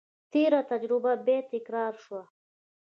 تېره تجربه بیا تکرار شوه.